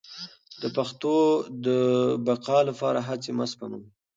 د پښتو د بقا لپاره هڅې مه سپموئ.